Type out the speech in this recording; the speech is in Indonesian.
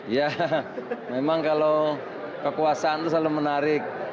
ya memang kalau kekuasaan itu selalu menarik